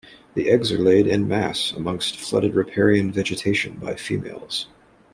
The eggs are laid "en masse" amongst flooded riparian vegetation by females.